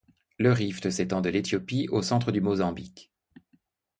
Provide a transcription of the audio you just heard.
Le Rift s'étend de l'Éthiopie au centre du Mozambique.